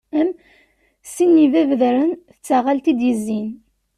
Am: sin n yibabdaren, d tɣalaṭ i d-yezzin.